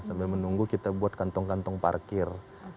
sambil menunggu kita buat kantong kantong parkir